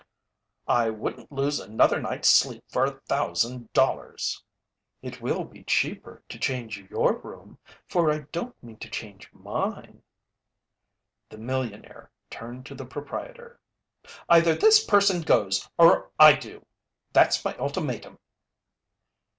"I wouldn't lose another night's sleep for a thousand dollars!" "It will be cheaper to change your room, for I don't mean to change mine." The millionaire turned to the proprietor. "Either this person goes or I do that's my ultimatum!"